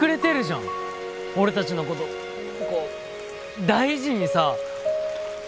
俺たちのこと大事にさ。